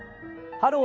「ハロー！